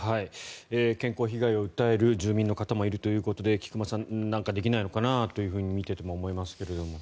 健康被害を訴える住民の方もいるということで菊間さん、何かできないのかなと見てても思いますが。